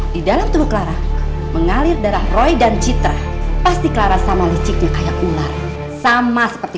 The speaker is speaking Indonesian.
di dalam tubuh clara mengalir darah roy dan citra pasti claras sama liciknya kayak ular sama seperti